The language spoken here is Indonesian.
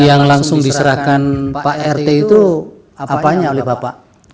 yang langsung diserahkan pak rt itu apanya oleh bapak